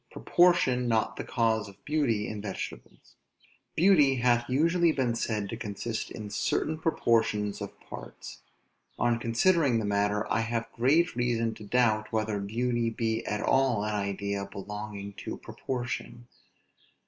PROPORTION NOT THE CAUSE OF BEAUTY IN VEGETABLES. Beauty hath usually been said to consist in certain proportions of parts. On considering the matter, I have great reason to doubt, whether beauty be at all an idea belonging to proportion.